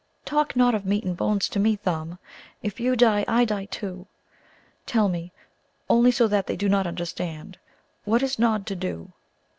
"Talk not of meat and bones to me, Thumb. If you die, I die too. Tell me, only so that they do not understand, what is Nod to do."